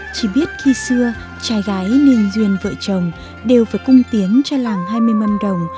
chỉ biết khi xưa trai gái niên duyên vợ chồng đều phải cung tiến cho làng hai mươi năm đồng